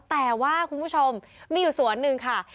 แต่ว่าคุณผู้ชมมีอยู่สวนหนึ่งค่ะ